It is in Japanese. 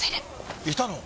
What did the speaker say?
いたの？